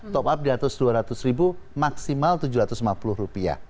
top up dua ratus ribu maksimal tujuh ratus lima puluh rupiah